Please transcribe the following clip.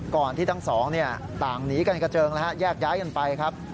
ที่ทั้งสองต่างหนีกันกระเจิงนะฮะแยกย้ายกันไปครับ